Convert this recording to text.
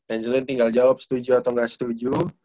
angelin tinggal jawab setuju atau gak setuju